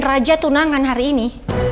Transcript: raja tundangan hari ini